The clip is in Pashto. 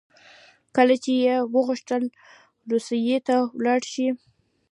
کله چې یې وغوښتل روسیې ته ولاړ شي.